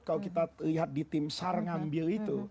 kalau kita lihat di tim sar ngambil itu